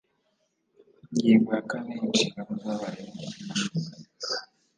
ingingo ya kane inshingano z abarimu muma shuri.